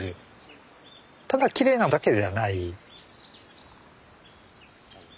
ただきれいなだけではない。